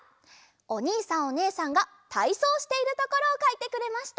おにいさんおねえさんがたいそうしているところをかいてくれました。